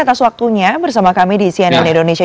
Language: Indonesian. atas waktunya bersama kami di cnn indonesia